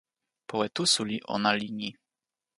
powe tu suli ona li ni: